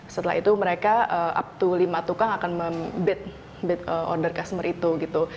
setelah itu mereka up to lima tukang akan order customer itu gitu